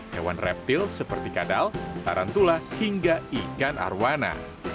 hewan reptil seperti kadal tarantula hingga ikan arowana